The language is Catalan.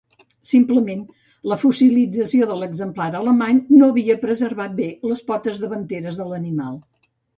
Simplement, la fossilització de l'exemplar alemany no havia preservat bé les potes davanteres de l'animal.